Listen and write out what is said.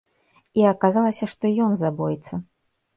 І аказалася, што ён забойца.